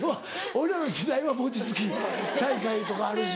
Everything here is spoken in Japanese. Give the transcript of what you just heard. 俺らの時代は餅つき大会とかあるし。